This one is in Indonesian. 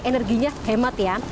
energinya hemat ya